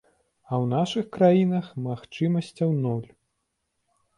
А ў нашых краінах магчымасцяў нуль.